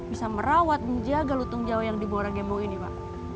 untuk bisa merawat menjaga lutung jawa yang dibuat orang gembau ini pak